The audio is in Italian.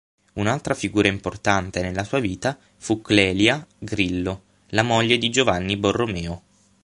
Un'altra figura importante nella sua vita fu Clelia Grillo, la moglie di Giovanni Borromeo.